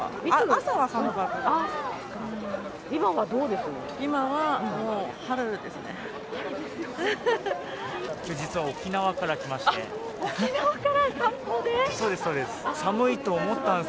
朝は寒かったです。